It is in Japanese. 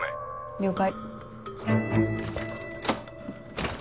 了解。